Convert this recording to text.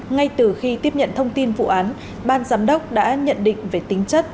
ngay từ khi tiếp nhận thông tin vụ án ban giám đốc đã nhận định về tính chất